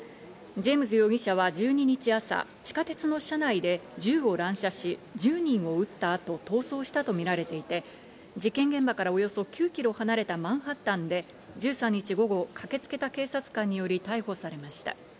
ジェームズ容疑者は１２日朝、地下鉄の車内で銃を乱射し、１０人を撃った後、逃走したとみられていて、事件現場からおよそ９キロ離れたマンハッタンで１３日午後、駆けつけた警察官により逮捕されました。